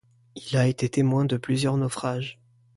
Il a été témoin de plusieurs naufrages.